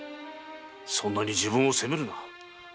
そんなに自分を責めるな。